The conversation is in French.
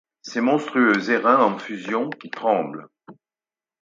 Ses monstrueux airains en fusion, qui tremblent !